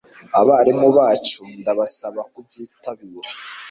abarimu bacu ndabasaba kubyitabira.